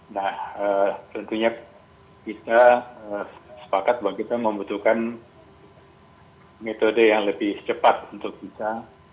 nah tentunya kita sepakat bahwa kita membutuhkan metode yang lebih cepat untuk bisa